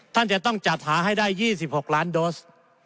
ท่านจะต้องจัดหาให้ได้๒๖ล้านโดส